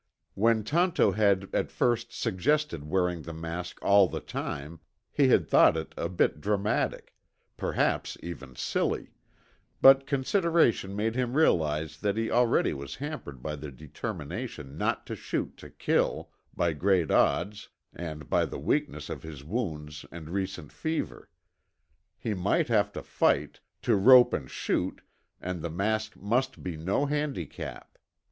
When Tonto had, at first, suggested wearing the mask all the time, he had thought it a bit dramatic, perhaps even silly, but consideration made him realize that he already was hampered by the determination not to shoot to kill, by great odds, and by the weakness of his wounds and recent fever. He might have to fight, to rope and shoot, and the mask must be no handicap.